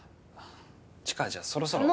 知花じゃあそろそろ。